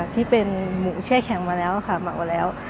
ที่เป็นหมูแช่แข็งมาแล้วค่ะหมักมาแล้ว